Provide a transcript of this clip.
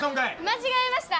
間違えました。